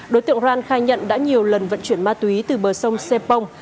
đối tượng aran khai nhận đã nhiều lần vận chuyển ma túy từ bờ sông xepong